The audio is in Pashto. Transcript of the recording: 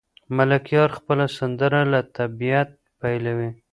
ملکیار خپله سندره له طبیعته پیلوي.